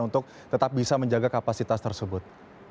untuk tetap bisa menjaga kapasitas tersebut